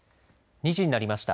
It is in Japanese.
２時になりました。